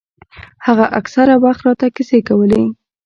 هغه اکثره وخت راته کيسې کولې.